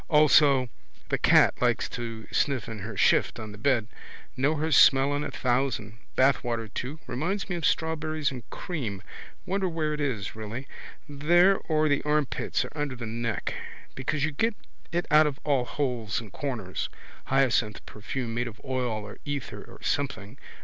Also the cat likes to sniff in her shift on the bed. Know her smell in a thousand. Bathwater too. Reminds me of strawberries and cream. Wonder where it is really. There or the armpits or under the neck. Because you get it out of all holes and corners. Hyacinth perfume made of oil of ether or something.